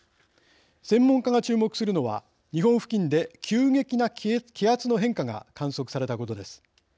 専門家が注目するのは日本付近で急激な気圧の変化が観測されたことです。